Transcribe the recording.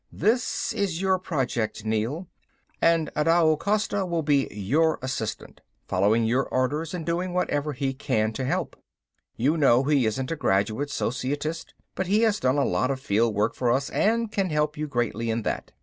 This is your project Neel, and Adao Costa will be your assistant, following your orders and doing whatever he can to help. You know he isn't a graduate Societist, but he has done a lot of field work for us and can help you greatly in that.